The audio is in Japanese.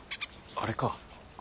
あれか。